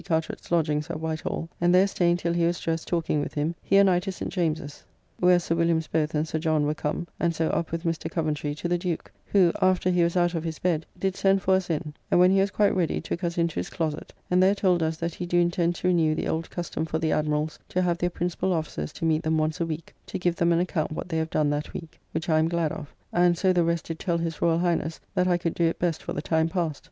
Carteret's lodgings at Whitehall, and there staying till he was dressed talking with him, he and I to St. James's, where Sir Williams both and Sir John were come, and so up with Mr. Coventry to the Duke; who, after he was out of his bed, did send for us in; and, when he was quite ready, took us into his closet, and there told us that he do intend to renew the old custom for the Admirals to have their principal officers to meet them once a week, to give them an account what they have done that week; which I am glad of: and so the rest did tell his Royal Highness that I could do it best for the time past.